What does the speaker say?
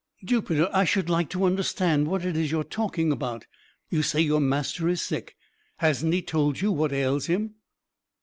"Jupiter, I should like to understand what it is you are talking about. You say your master is sick. Hasn't he told you what ails him?"